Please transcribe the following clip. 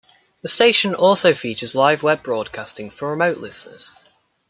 The station also features live web broadcasting for remote listeners.